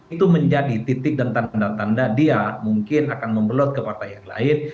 itu menjadi titik dan tanda tanda dia mungkin akan membelot ke partai yang lain